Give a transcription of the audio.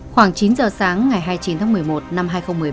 khoảng chín h sáng ngày hai mươi chín tháng một mươi một năm hai nghìn một mươi ba